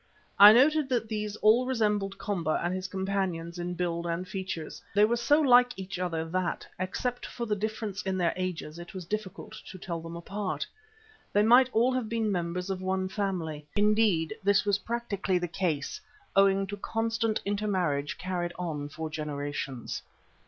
I noted that these all resembled Komba and his companions in build and features; they were so like each other that, except for the difference of their ages, it was difficult to tell them apart. They might all have been members of one family; indeed, this was practically the case, owing to constant intermarriage carried on for generations.